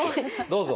どうぞ。